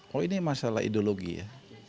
oh ini masalah ideologi ya